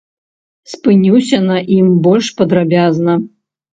Спынюся на ім больш падрабязна.